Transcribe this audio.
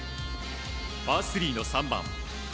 パー３の３番。